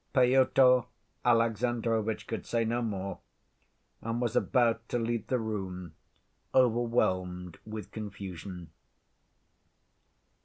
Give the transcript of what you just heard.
Pyotr Alexandrovitch could say no more, and was about to leave the room, overwhelmed with confusion.